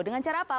dengan cara apa